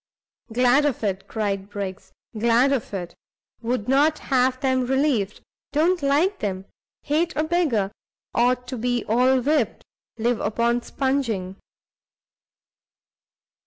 "Glad of it!" cried Briggs, "glad of it; would not have 'em relieved; don't like 'em; hate a beggar; ought to be all whipt; live upon spunging."